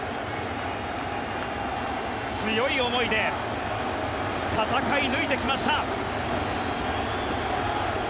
強い思いで戦い抜いてきました。